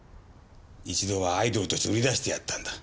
一度はアイドルとして売り出してやったんだ。